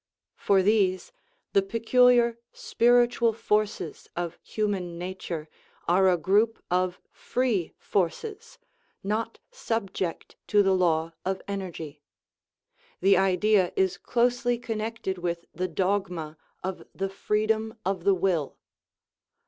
For these the peculiar " spiritual forces " of human nature are a group of " free " forces, not sub ject to the law of energy ; the idea is closely connected with the dogma of the " freedom of the will."